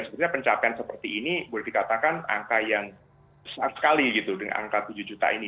sebenarnya pencapaian seperti ini boleh dikatakan angka yang besar sekali gitu dengan angka tujuh juta ini